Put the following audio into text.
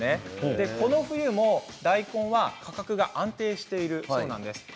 この冬も大根は価格が安定しているそうです。